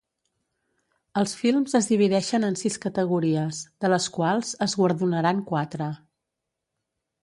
Els films es divideixen en sis categories, de les quals es guardonaran quatre.